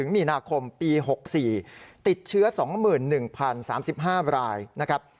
มีนาคมปี๖๔ติดเชื้อ๒๑๐๓๕รายนะครับ